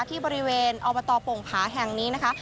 ที่บริเวณอบตปลงภิมพัฒน์แห่งนี้นะคะ